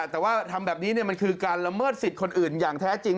แต่ว่าทำแบบนี้มันคือการละเมิดสิทธิ์คนอื่นอย่างแท้จริง